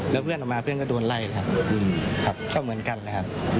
แล้วเพื่อนออกมาเพื่อนก็โดนไล่ครับก็เหมือนกันแหละครับ